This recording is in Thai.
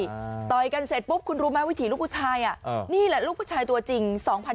ต่อยกันเสร็จปุ๊บคุณรู้ไหมวิถีลูกผู้ชายอ่ะเออนี่แหละลูกผู้ชายตัวจริง